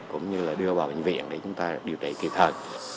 cũng như là đưa vào bệnh viện để chúng ta điều trị kịp thời